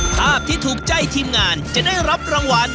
ภาพที่ถูกใจทีมงานจะได้รับรางวัล